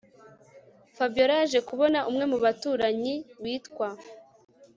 Fabiora yaje kubona umwe mubaturanyi witwa